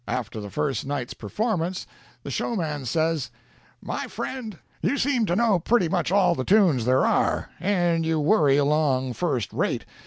After the first night's performance the showman says: "'My friend, you seem to know pretty much all the tunes there are, and you worry along first rate.